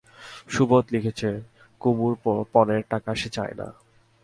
সুবোধ লিখেছে কুমুর পণের টাকা সে চায় না।